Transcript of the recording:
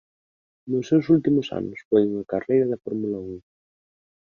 Nos seus últimos anos foi unha carreira de Fórmula Un.